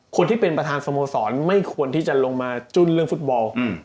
คนที่เป็นประธานสโมสรไม่ควรที่จะลงมาจุ้นเรื่องฟุตบอล